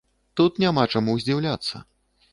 Тут няма чаму здзіўляцца.